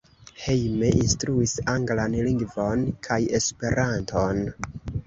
Hejme instruis anglan lingvon kaj Esperanton.